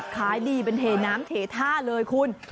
ขายดีเป็นเทน้ำเทท่าเลยคุณ